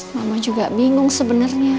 mama juga bingung sebenernya